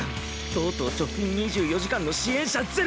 とうとう直近２４時間の支援者０。